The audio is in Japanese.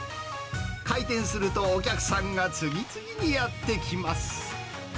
開店するとお客さんが次々にやって来ます。